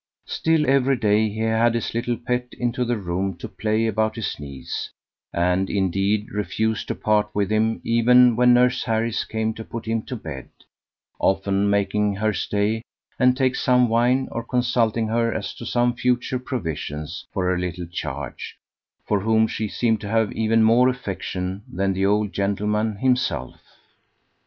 Still every day he had his little pet into the room to play about his knees, and indeed refused to part with him even when nurse Harris came to put him to bed, often making her stay and take some wine, or consulting her as to some future provisions, for her little charge, for whom she seemed to have even more affection than the old gentleman himself.